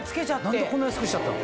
何でこんな安くしちゃったの？